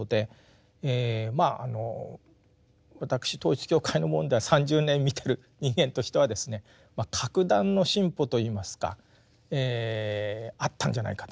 私統一教会の問題は３０年見てる人間としてはですね格段の進歩といいますかあったんじゃないかなと。